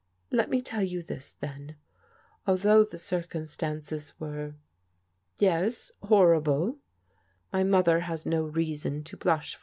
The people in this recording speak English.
"Let me tell you this, then, al though the circumstances were — ^yes, horrible, my mother has no reason to blusb.